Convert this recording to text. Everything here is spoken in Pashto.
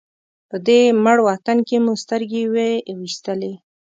په دې مړ وطن کې مو سترګې وې وېستلې.